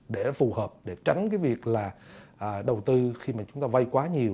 để phù hợp để tránh cái việc là đầu tư khi mà chúng ta vay quá nhiều